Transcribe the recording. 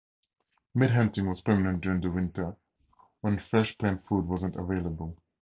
Meat hunting was prominent during the winter when fresh plant food wasn't available.